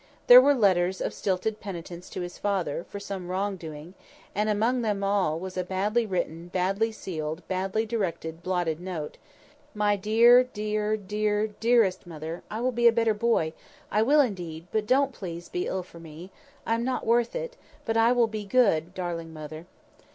There were letters of stilted penitence to his father, for some wrong doing; and among them all was a badly written, badly sealed, badly directed, blotted note:—"My dear, dear, dear, dearest mother, I will be a better boy; I will, indeed; but don't, please, be ill for me; I am not worth it; but I will be good, darling mother."